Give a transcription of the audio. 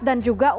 dan juga untuk